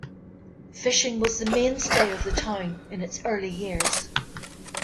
Fishing was the mainstay of the town in its early years.